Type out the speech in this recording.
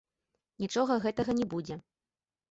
Нічога гэтага не будзе.